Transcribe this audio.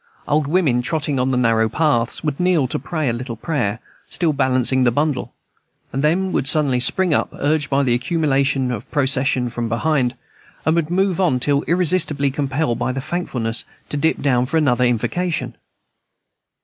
Old women, trotting on the narrow paths, would kneel to pray a little prayer, still balancing the bundle; and then would suddenly spring up, urged by the accumulating procession behind, and would move on till irresistibly compelled by thankfulness to dip down for another invocation.